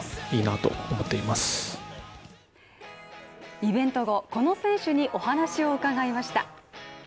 イベント後、この選手にお話を伺いました。